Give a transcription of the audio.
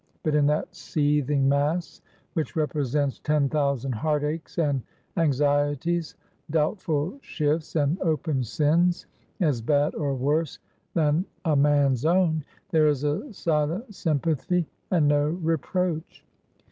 But in that seething mass, which represents ten thousand heartaches and anxieties, doubtful shifts, and open sins, as bad or worse than a man's own, there is a silent sympathy and no reproach.